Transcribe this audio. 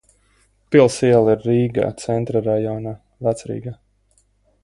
Pils iela ir iela Rīgā, Centra rajonā, Vecrīgā.